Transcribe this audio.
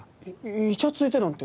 いいちゃついてなんて。